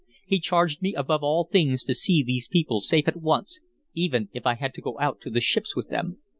He charged me above all things to see these people safe at once, even if I had to go out to the ships with them.